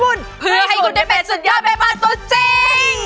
เพื่อให้คุณได้ไปและสุดยอดเป็นคนตัวจริง